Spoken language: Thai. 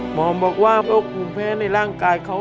หมอบอกว่าโรคภูมิแพ้ในร่างกายเขา